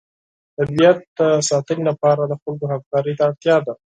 د طبیعت د ساتنې لپاره د خلکو همکارۍ ته اړتیا ده.